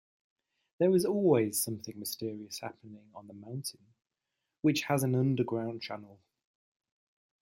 There is always something mysterious happening on the mountain, which has an underground channel.